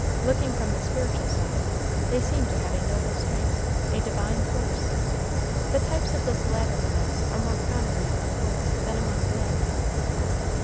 Looking from the spiritual side, they seem to have a noble strength, a divine force. The types of this latter class are more commonly among women than among men.